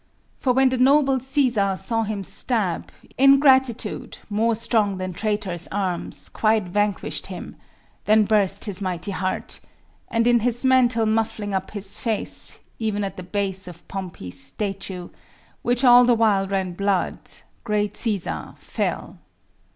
For when the noble Cæsar saw him stab, Ingratitude, more strong than traitors' arms, Quite vanquish'd him: then burst his mighty heart; And in his mantle muffling up his face, Even at the base of Pompey's statue, Which all the while ran blood, great Cæsar fell.